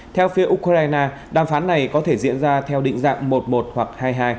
theo phía ukraine đàm phán này có thể diễn ra theo định dạng một một hoặc hai mươi hai